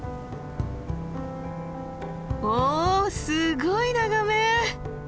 おすごい眺め！